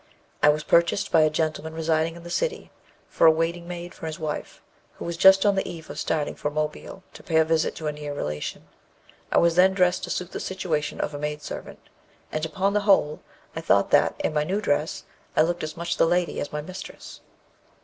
I was purchased by a gentleman residing in the city, for a waiting maid for his wife, who was just on the eve of starting for Mobile, to pay a visit to a near relation. I was then dressed to suit the situation of a maid servant; and upon the whole, I thought that, in my new dress, I looked as much the lady as my mistress.